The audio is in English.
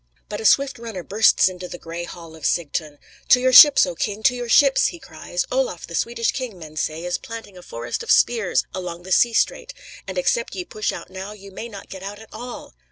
But a swift runner bursts into the gray hall of Sigtun. "To your ships, O king; to your ships!" he cries. "Olaf, the Swedish king, men say, is planting a forest of spears along the sea strait, and, except ye push out now, ye may not get out at all!"